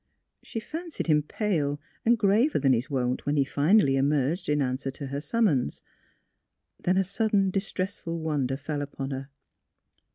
She fancied him pale and graver than his wont when he finally emerged in answer to her summons. Then a sud den distressful wonder fell upon her.